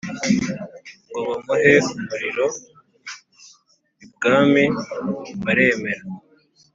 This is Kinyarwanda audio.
ngo bamuhe umuriro. ibwami baremera.